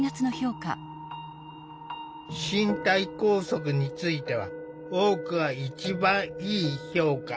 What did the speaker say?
身体拘束については多くが一番いい評価。